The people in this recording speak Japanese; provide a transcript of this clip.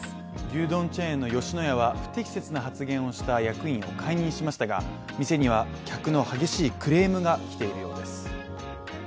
牛丼チェーンの吉野家は不適切な発言をした役員を解任しましたが店には客の激しいクレームが来ているようです。